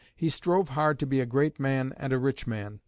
He strove hard to be a great man and a rich man.